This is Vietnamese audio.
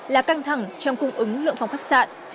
là căng thẳng trong cung ứng lượng phòng khách sạn